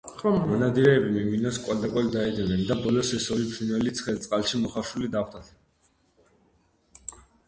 მონადირეები მიმინოს კვალდაკვალ დაედევნენ და ბოლოს ეს ორი ფრინველი ცხელ წყალში მოხარშული დახვდათ,